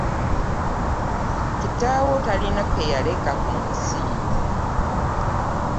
Kitaawo talina ke yaleka ku nsi.